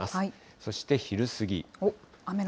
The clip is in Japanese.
そして昼過ぎ。